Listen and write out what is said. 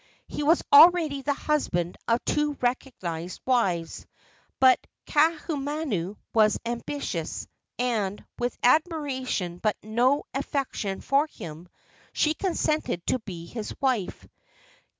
He was already the husband of two recognized wives; but Kaahumanu was ambitious, and, with admiration but no affection for him, she consented to become his wife.